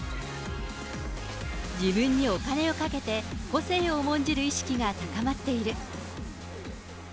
自分にお金をかけて個性を重んじる意識が高まっている。